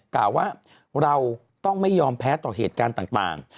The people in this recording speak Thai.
กล่าวว่าเราต้องไม่ยอมแพ้ต่อเหตุการณ์ต่าง